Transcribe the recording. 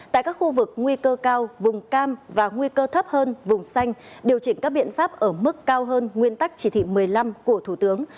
tại các khu vực nguy cơ cao vùng cam và nguy cơ thấp hơn vùng xanh điều chỉnh các biện pháp ở mức cao hơn nguyên tắc chỉ thị một mươi năm của thủ tướng